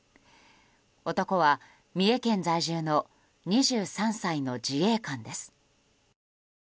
男は三重県在住の２３歳の自衛官です。